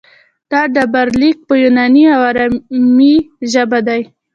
دا ډبرلیک په یوناني او ارامي ژبه دی